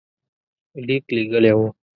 لیک لېږلی وو.